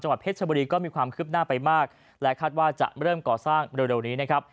วัดเพชรชบุรีก็มีความคืบหน้าไปมากและคาดว่าจะเริ่มก่อสร้างเร็วนี้นะครับ